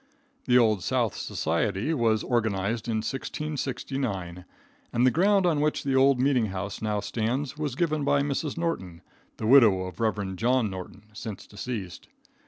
The Old South Society was organized in 1669, and the ground on which the old meetinghouse now stands was given by Mrs. Norton, the widow of Rev. John Norton, since deceased.